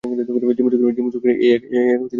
জীবনচক্রের এই এক কঠিন নিয়ম।